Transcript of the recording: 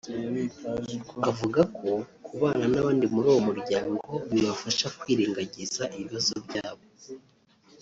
Avuga ko kubana n’abandi muri uwo muryango bibafasha kwirengagiza ibibazo byabo